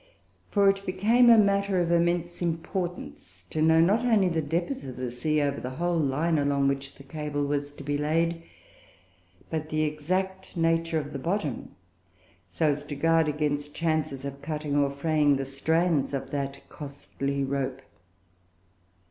For it became a matter of immense importance to know, not only the depth of the sea over the whole line along which the cable was to be laid, but the exact nature of the bottom, so as to guard against chances of cutting or fraying the strands of that costly rope.